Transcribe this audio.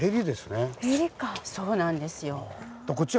そうなんですよ。